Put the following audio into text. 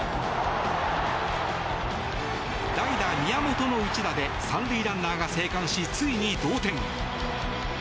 代打、宮本の一打で３塁ランナーが生還しついに同点。